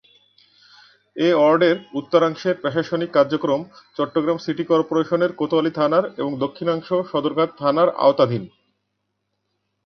এ ওয়ার্ডের উত্তরাংশের প্রশাসনিক কার্যক্রম চট্টগ্রাম সিটি কর্পোরেশনের কোতোয়ালী থানার এবং দক্ষিণাংশ সদরঘাট থানার আওতাধীন।